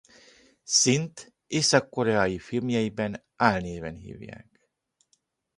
Sin-t észak-koreai filmjeiben álnéven hívják.